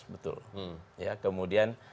betul ya kemudian